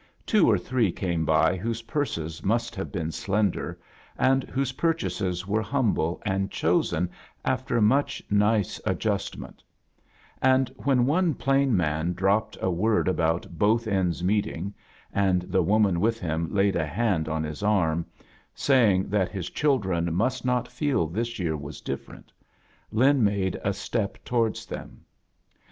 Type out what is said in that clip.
Two or three came by whose ptirses must have been slender, and whose purchases were humble and chosen after much nice ad justment; and when one plain man drop ped a word about both ends meeting, and the woman with him laid a hand on his arm, saying that his children must not feel this year was different, Lin made a step towards them.